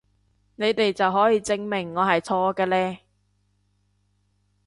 你哋就可以證明我係錯㗎嘞！